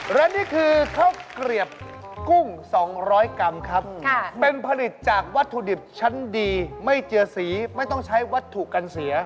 และนี่คือข้าวเกลียบกุ้ง๒๐๐กรัมครับเป็นผลิตจากวัตถุดิบชั้นดีไม่เจือสีไม่ต้องใช้วัตถุกันเสีย